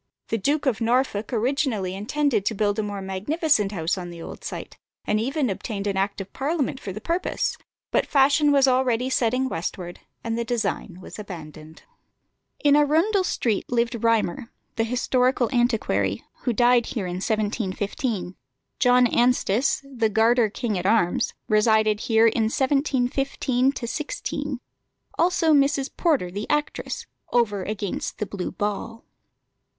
The Duke of Norfolk originally intended to build a more magnificent house on the old site, and even obtained an act of Parliament for the purpose; but fashion was already setting westward, and the design was abandoned. In Arundel Street lived Rymer, the historical antiquary, who died here in 1715; John Anstis, the Garter king at arms, resided here in 1715 16; also Mrs. Porter, the actress, "over against the Blue Ball."